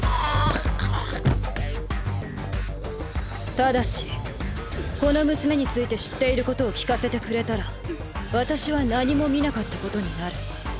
ただしこの娘について知っていることを聞かせてくれたら私は何も見なかったことになる。